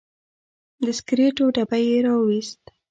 د سګریټو ډبی یې راوویست.